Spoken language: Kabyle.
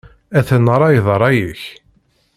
Atan rray d rray-ik.